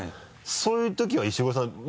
そういう時は石黒さん。